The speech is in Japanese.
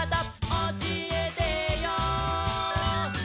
「おしえてよ」